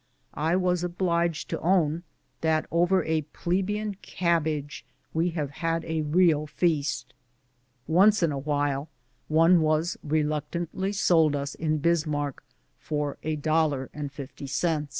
I was obliged to own that over a plebeian cabbage w^e have had a real feast. Once in a great while one was reluctantly sold us in Bismarck for a dollar and a half.